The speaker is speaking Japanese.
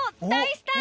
スター？